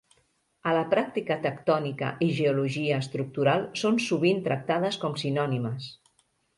A la pràctica tectònica i geologia estructural són sovint tractades com sinònimes.